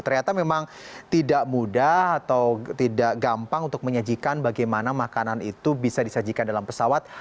ternyata memang tidak mudah atau tidak gampang untuk menyajikan bagaimana makanan itu bisa disajikan dalam pesawat